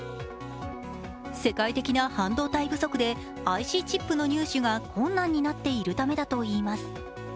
世界的な半導体不足でＩＣチップの入手が困難になっているためだといいます。